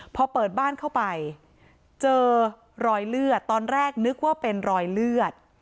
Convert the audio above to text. พอเปิดบ้านเข้าไปเจอรอยเลือดตอนแรกนึกว่าเป็นรอยเลือด